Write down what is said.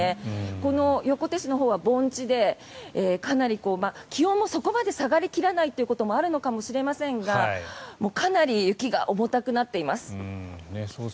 この横手市のほうは盆地で気温もそこまで下がり切らないということもあるのかもしれませんがかなり雪が重たくなっています。